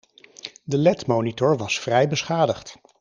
De LED monitor was vrij beschadigd.